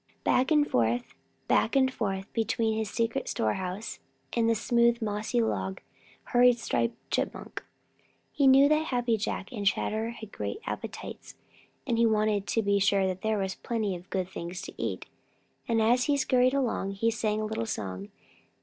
Back and forth, back and forth between his secret storehouse and the smooth, mossy log hurried Striped Chipmunk. He knew that Happy Jack and the Chatterer have great appetites, and he wanted to be sure that there was plenty of good things to eat. And as he scurried along, he sang a little song.